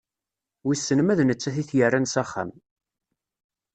Wissen ma d nettat i t-yerran s axxam.